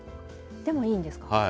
でもいいんですか。